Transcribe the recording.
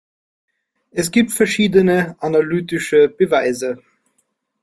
Es gibt verschiedene analytische Beweise.